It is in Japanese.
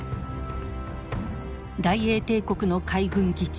大英帝国の海軍基地